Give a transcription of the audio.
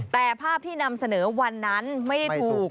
แต่ภาพที่นำเสนอวันนั้นไม่ได้ถูก